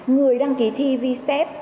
người đang kỳ thi vstep